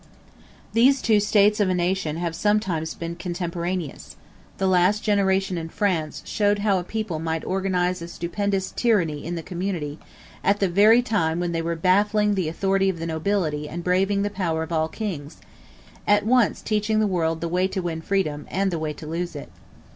These two states of a nation have sometimes been contemporaneous: the last generation in France showed how a people might organize a stupendous tyranny in the community, at the very time when they were baffling the authority of the nobility and braving the power of all kings at once teaching the world the way to win freedom, and the way to lose it.